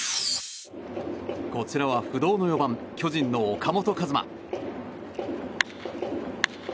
こちらは不動の４番巨人の岡本和真。